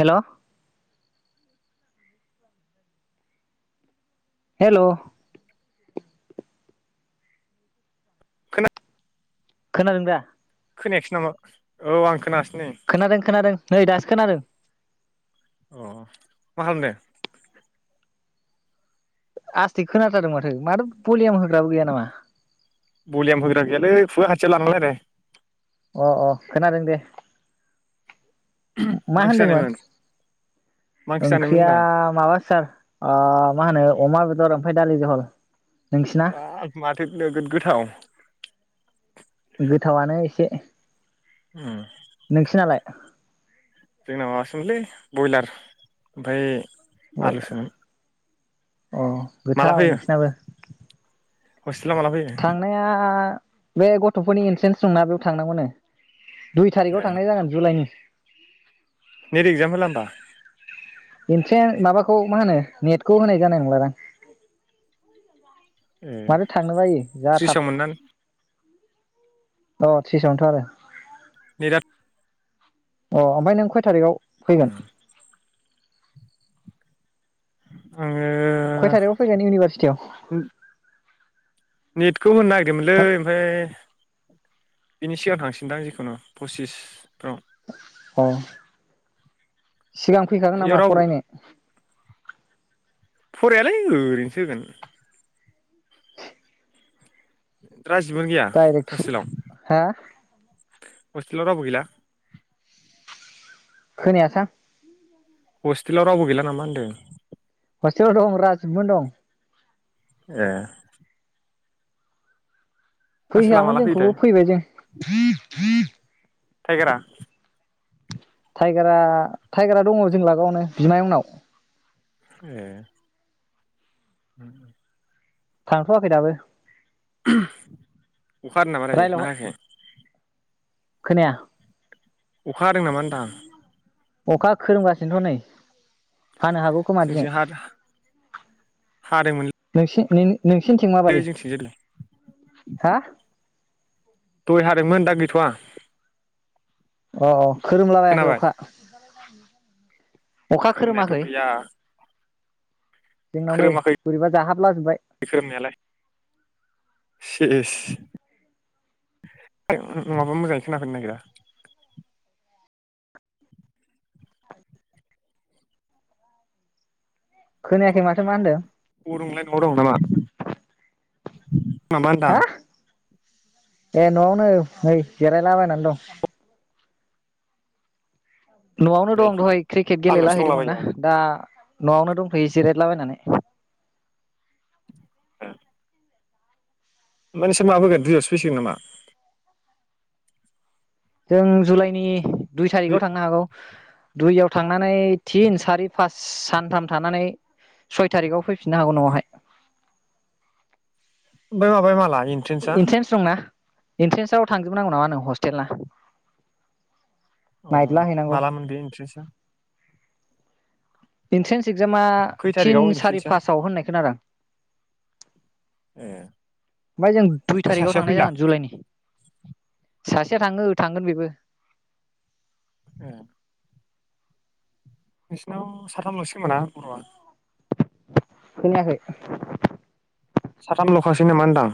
हेल' hello खोना खोनादों दा? खोनायाखैसो नामा औ आं खोना खोनादों खोनादों। नै दासो खोनादों। अ मा खालामदों? आस्थिक खोनाथारदों माथो माथो भलियाम होग्राबो गैया नामा? बलियाम होग्रा गैयालै खुगा खाथियाव लानानै रायलाय। अ अ खोनादों दे। मा ओंख्रि होनदोंमोन जानायमोन मा ओंख्रि जानायमोन ओंख्रिया होनदां माबा सार ओ माहोनो अमा बेदर फाय दालिजहल। बा माथो नोगोद गोथाव। गोथावानो एसे। [unintelligible] नोंसिनालाय? जोंना माबासोमोनलै ब्रयलार ओमफाय आलुसोमोन। अ माला गोथाव फैयो नोंसिनाबो। हस्टेलाव माला फैयो थांनाया बे गथफोरनि इन्ट्रेन्स दंना बेयाव थांनांगौनो। दुइ ए थारिखआव थांनाय जागोन जुलाइनि। नेट एक्जाम होला होमबा इन्ट्रेन माबाखौ मा होनो नेटखौ होनाय जानाय नंला दां। ए माथो थांनो बायो जा थाब थ्रिसाव मोनना अ थ्रिसआवनोथ आरो। निराद अ ओमफाय नों खय थारिकआव फैगोन? उम आङो खय थारिखआव फैगोन इउनिभारसिटियाव? निद खौ होननो नागिरदोंमोनलै ओमफाय बिनि सिगां थांसिदां जिखुनु पसिस अ सिगां फैखागोन इयाव नामा रावबो फरायनो? फरायालै ओरैनोसो होगोन। [unintelligible] गैया दायरेख थु हस्टेलाव हो हस्टेलाव रावबो गैला खोनाया सां हस्टेलाव रावबो गैला नामा होनदों। हस्टेलाव दं राजिबमोन दं ए आसोला माला फैहोआमोन फैयोथाय जोंखौब फैबाय जों। [inaudible] टायगारा टायगारा-टायगारा दंङ जों लागावनो बिमायअंनाव। ए अम थांथवाखै दाबो [unintelligible] अखा हादों नामा दायो रायलाव ना हायाखै। खोनाया अखा हादों नामा होनदां अखा खोरोमगासिनोथ नै हानो हागौ खोमादिनि हादोंमोन। नोंसि नों नोंसिनिथिं माबायदि जोंथिंजाय दहाय हा दय हादोंमोन दा गैथवा। अ अ खोरोमलाबायाखै खोनाबाय अखा [inaudible] खोरोमनायाथ खोरोमाखै गैया जोंनाव नै खोरोमाखै बोरैबा जाहाबलाजोबबाय खोरोमनायालाय सेस नङाबा मोजांङै खोनाफैनो नागिरा। खोनायाखै माथो मा होनदों। अबाव दं नोंलाय न'आव दं नामा। माबा होनदां हा ए न'आवनो नै जेरायलाबायनान दं न'आवनो नै दं दहाय क्रिकेट गेलेला लामायावसो हैदोंमोन दंलाबायो ना आङो दा न'आवनो दंथयो जिरेदलाबायनानै। ओमफाय नोंसोर मालाफैगोन दुइआवसो फैसिगोन नामा। जों जुलाइनि दुइ थारिखाव थांनो हागौ। दुइयाव थांनानै थिन सारि पास सानथाम थानानै सय थारिखाव फैफिननो हागौ न'आवहाय। ओमफाय माबाया माला इन्ट्रेन्सआ इन्ट्रेन्स दंना? इन्ट्रेन्साव थांजोबनांगौ नामा नो हस्टेेलना? अ मालामोन बे इन्ट्रेस्टआ? इन्ट्रेन्स एगजामा खै थिन थारिखआव सारि इन्ट्रेन्सआ फासाव होननाय खोनादां ए ओमफाय जों दुइ ओमफ्राय थारिखआव सासेया थांनाय फैला जागोन जुलाइनि सासेया थाङो थांगोन बेबो ए नोंसिनाव साथामलसो होमबा ना बर'आ खोनायाखै? साथामलखासो नामा होनदां?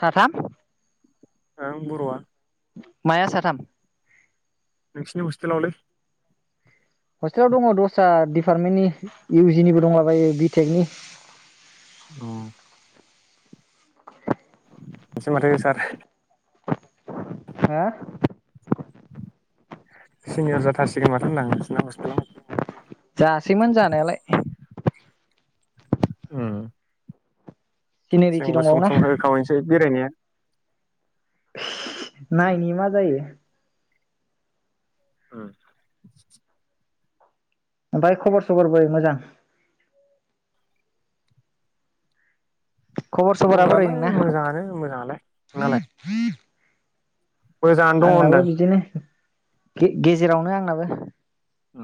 साथाम ओं बर'आ माया साथाम? नोंसिनि होस्टेलावलै हस्टेलाव दङ दस्रा दिडिपार्टमेन्टनि इउ जि निबो दंलाबायो बिटेक नि अ [unintelligible] [inaudible] नोंसो माथो सार हा सिनियर जाथारसिगोन माथो होनदां नोंसिना हस्पितालाव जासैमोन जानायालाय उम सिनिरिटि जोंबो सम दंबावोना सम होखावसै बेरायनाया [inaudible] नायनि मा जायो। उम ओमफ्राय खबर सबर बोरै मोजां? खबर सबरा बोरै खबरालाय नोंना? मोजाङानो मोजाङालाय नोंनालाय मोजाङानो दङो होन्दों। गे-गेजेरावनो आंनाबो आ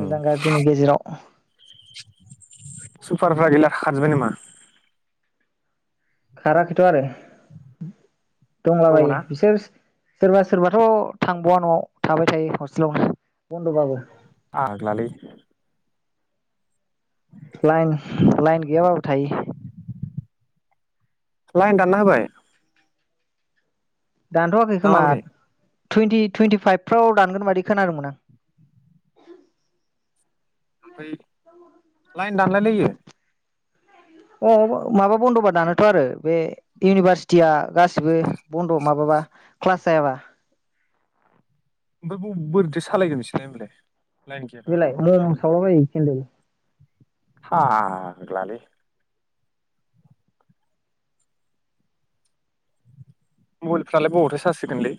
मोजां गाज्रिनि गेजेराव सुपारफ्रा गैला खारजुबाय नामा? खाराखैथ आरो दंलाबायो दङना बिसोर सोरबा सोरबा थ' थांबावा नआव थाबाय थायो हस्टेलावनो बन्दबाबो। फाग्लालै लाइन लाइन गैयाबा बो थायो। लाइन दानना होबाय। दानथ'वाखै ना खोमा माबोरै टुइन्टि टुइन्टि फाइभ फ्राव दानगोन बादि खोनादोंमोन आं। ओमफ्राय लाइन दानलायलायो? अ माबा बन्दबा दानोथ आरो बे इउनिभारसिटिया। गासिबो बन्द माबाबा। क्लास जायाबा। ओमफ्राय ब-बोरैथो सालायगोन बिसोरलाय होनबालाय। बेलाय मम सावला बायो। खेनदेल। फाग्लालै। Mobile फ्रालाय बबावथो charge होगोनलै।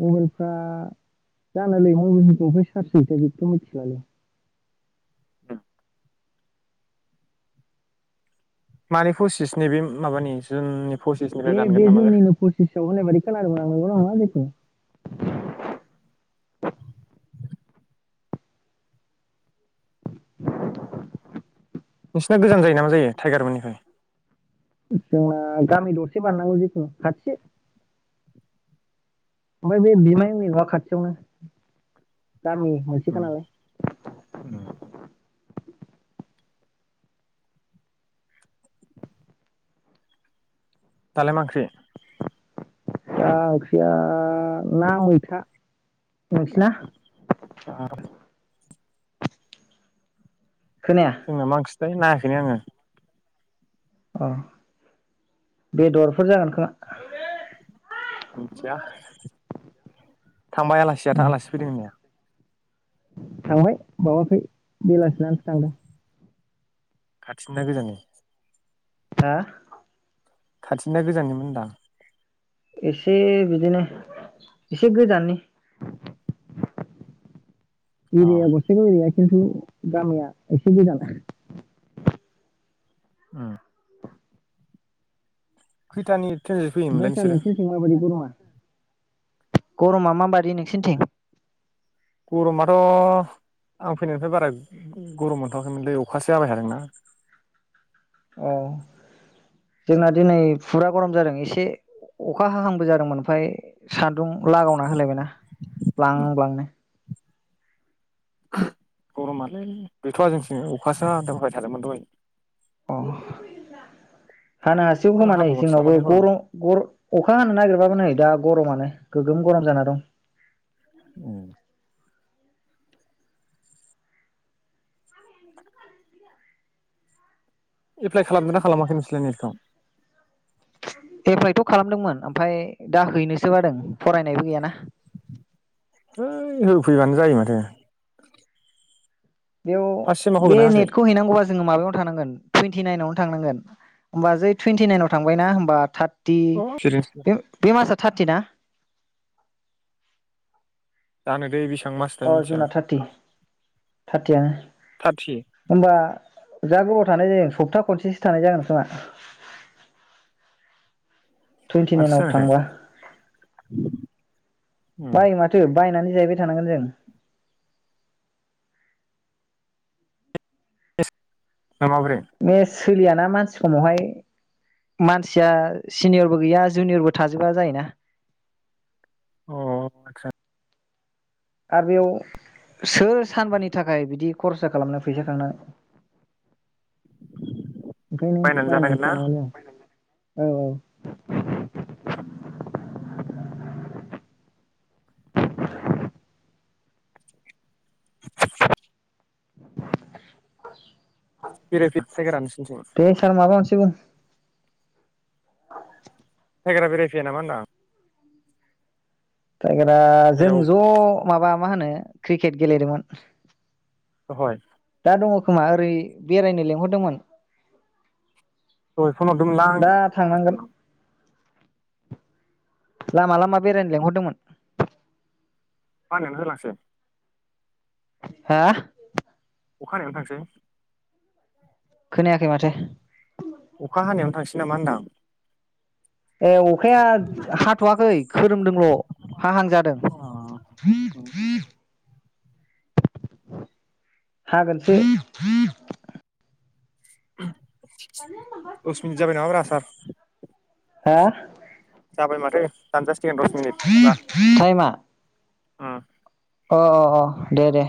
मबाइलफ्रा जानोलै मबाइलफोरखौ अबेहाय चार्ज होथाय बेखौथ मिथियालै। मानि कसिस नैबे माबानि जोंनि। बे बे जुननि नो फुसिस आव होन्नाय बादि खोनादोंमोन आं। नंगौना नङा जेखुनु। नोंसिना गोजान जायो ना मा जायो टाइगारमोननिफ्राय? जोंना गामि दरसे बारनांगौ जिखुनु खाथि। ओमफ्राय बे बिमायनि नआ खाथियावनो। गामि मोनसेखा उम नालाय। दालाय मा ओंख्रि? दा ओंख्रिया ना मैथा नोंसिना? ओ गोथाव दे। खोनाया जोंना मा ओं ख्रिथाय नायाखैनो आङो। अ बेदरफोर जागोन खोमा। मोनथिया। थांबाय आलासियाथ आलासि फैदों होननाया? थांबाय बावाखै बेलासिनासो थांदों। खाथिनिना गोजाननि? हा। खाथिनिना गोजाननि मोन होनदां? एसे बिदिनो एसे गोजाननि। अ एरिया गसायगावनिनो। खिन्थु गामिया एसे गोजान आरो। ओम। खैथानि। ट्रेनजों ओमफ्राय फैयोमोनलाय सार नोंसोरो नोंसोर सिं माबायदि गरमा? गरमा माबादि नोंसोरनिथिं। गरमाथ आं फैनायनिफ्राय बारा गरम मोनथवाखैमोनलै अखासो जाबाय थादों ना। अ जोंना दिनै फुरा गरम जादों एसे अखा हाहांबो जादोंमोन ओमफ्राय। सान्दुं लागावना होलायबायनाा ब्लां ब्लांनो। [unintelligible] गरमालाइ गैथ'आ जोंथि अखासो [unintelligible] थादोंमोन दहाय। अ। हानो हासिगोव दा खोमानै हाबावगोनसो जोंनावबो नामाथाय हराव गरम- गर अखा हानो नागिरबाबो नै दा गरमानो। गोगोम गरम जाना दं। उम। एप्लाइ खालामदोंना खालामाखै नोंसोरलाय नेटखौ? एप्लाइथ' खालामदोंमोन आमफाय दा हैनोसो बादों फरायनायबो गैयाना। है होफैबानो जायो माथो। बेयाव फार्स्ट सेमाव बे होगोना होआखै नेटखौ हैनांगौबा जोङो माबायावनो थांनांगोन टुइन्टिनाइनावनो थांनांगोन। होमबा जै टुइनटिनाइनाव थांबायना होमबा थाट टि अ सिरिस बे मासआ थार्टिना? जानो दे बिसे अ जुना थार्टि थार्टियानो थार्टि होमबा जा गोबाव थानाय जायो सप्ता खनसेसो थानाय जागोन खोमा। माथो टुन्टिनाइनाव जाखो थांबा बायो माथो बायनानै जिरायबाय थांनांगोन जों। ना माबोरै? बे सोलियाना मानसि समावहाय मानसिया सिनियरबो गैया जुनियरबो थाजोबा जायोना। अ आत्छा? आ बेयाव सोर सानबानि थाखाय बिदि खरसा खालामनो फैसा थांनो। ओंखायनो बायनानै बायनानसो ना जानांगोन जों। औ औ। [inaudible] [inaudible] [inaudible] [unintelligible] दे सार माबा मोनसे बुं नोंसिनिथिं? [inaudible] [unintelligible] बेरायफैया नामा होनदां? [unintelligible] जों हेलौ ज' माबा मा होनो क्रिकेट गेलेदोंमोन। दहय? दा दङ' खोमा ओरै बेरायनो लेंहरदोंमोन। दहाय फन हरदोंमोनलां दा थांनांगोन आसोलनाव। लामा लामा बेरायनो लेंंहरदोंमोन। [unintelligible] होलांसै? हो? अखा हानायावनो थांसै? खोनायाखै माथो। अखा हानायावनो थांसै नामा होनदां? ए अखाया हाथ'वाखै खोरोमदोंल' हाहां जादों। अ हागोनसो। [inaudible] दस मिनिथ जाबाय नामा ब्रा सार? हा? जाबाय माथो। दानजासिगोन दस टाइमा? ओम। अ अ अ दे दे।